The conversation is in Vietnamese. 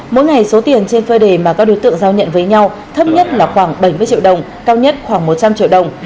mỗi ngày số tiền trên phơi đề mà các đối tượng giao nhận với nhau thấp nhất là khoảng bảy mươi triệu đồng cao nhất khoảng một trăm linh triệu đồng